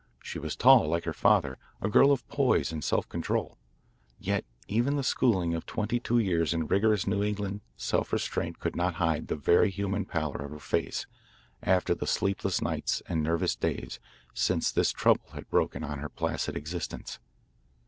She was tall, like her father, a girl of poise and self control. Yet even the schooling of twenty two years in rigorous New England self restraint could not hide the very human pallor of her face after the sleepless nights and nervous days since this trouble had broken on her placid existence.